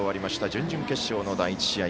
準々決勝の第１試合。